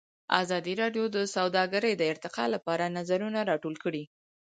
ازادي راډیو د سوداګري د ارتقا لپاره نظرونه راټول کړي.